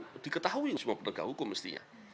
itu diketahui semua penegak hukum mestinya